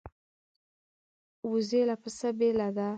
وزې له پسه بېله ده